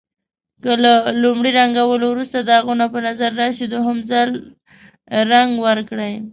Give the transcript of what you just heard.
که له لومړي رنګولو وروسته داغونه په نظر راشي دویم ځل رنګ ورکړئ.